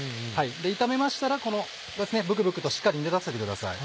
炒めましたらブクブクとしっかり煮立たせてください。